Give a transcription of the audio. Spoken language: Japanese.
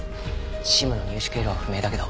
ＳＩＭの入手経路は不明だけど。